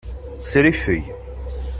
Sriffeg.